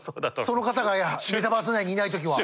その方がメタバース内にいない時は。